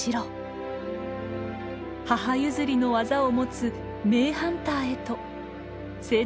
母譲りの技を持つ名ハンターへと成長を続けています。